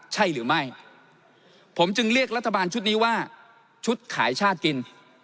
ใช่หรือไม่ผมจึงเรียกรัฐบาลชุดนี้ว่าชุดขายชาติกิน